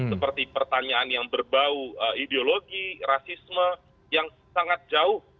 seperti pertanyaan yang berbau ideologi rasisme yang sangat jauh